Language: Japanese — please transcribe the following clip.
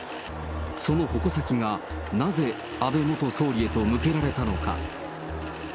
その矛先が、なぜ安倍元総理へと向けられたのか。